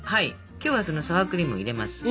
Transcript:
今日はそのサワークリームを入れます。